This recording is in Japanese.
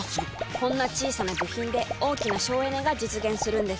こんな小さな部品で大きな省エネが実現するのです。